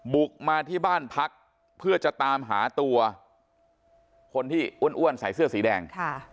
บุกมาที่บ้านพักเพื่อจะตามหาตัวคนที่อ้วนใส่เสื้อสีแดง